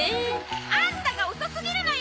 アンタが遅すぎるのよ！